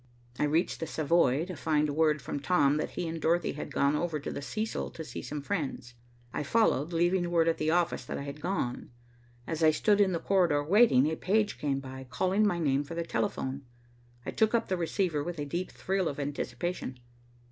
I reached the Savoy to find word from Tom that he and Dorothy had gone over to the Cecil to see some friends. I followed, leaving word at the office that I had gone. As I stood in the corridor waiting, a page came by, calling my name for the telephone. I took up the receiver with a deep thrill of anticipation.